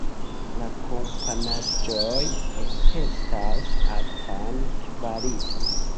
La komponaĵoj atestas altan kvaliton.